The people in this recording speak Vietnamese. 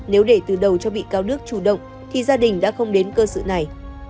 nếu để từ đầu cho bị cáo đức chủ động thì gia đình đã không đến cơ sở này